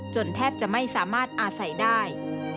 แทบจะไม่สามารถอาศัยได้